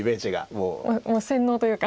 もう洗脳というか。